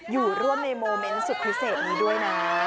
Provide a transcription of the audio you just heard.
อยู่ร่วมในโมเมนต์สุดพิเศษนี้ด้วยนะ